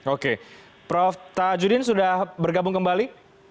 oke prof tajudin sudah bergabung kembali